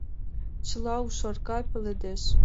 Чыла ужарга, пеледеш.